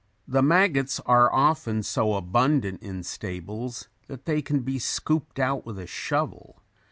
The maggots are often so abundant in stables that they can be scooped out with a shovel.